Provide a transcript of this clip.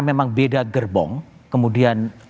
memang beda gerbong kemudian